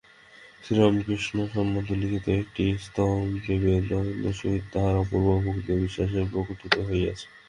শ্রীরামকৃষ্ণ সম্বন্ধে লিখিত একটি স্তবে বেদান্তজ্ঞানের সহিত তাঁহার অপূর্ব ভক্তি ও বিশ্বাস প্রকটিত হইয়াছে।